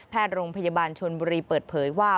โรงพยาบาลชนบุรีเปิดเผยว่า